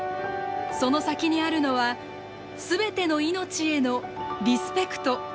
その先にあるのはすべての「命」へのリスペクト敬意なのです。